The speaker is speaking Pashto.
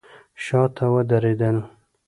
شاته ودرېدل.